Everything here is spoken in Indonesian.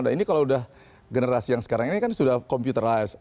nah ini kalau sudah generasi yang sekarang ini kan sudah computerized